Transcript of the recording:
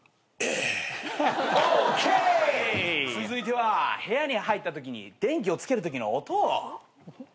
続いては部屋に入ったときに電気をつけるときの音。